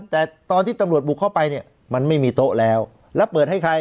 แต่ตอนที่ตำรวจบุกเข้าไปเนี่ยมันไม่มีโต๊ะแล้วแล้วเปิดให้ใคร